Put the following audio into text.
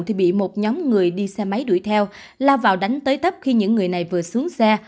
thì bị một nhóm người đi xe máy đuổi theo lao vào đánh tới tấp khi những người này vừa xuống xe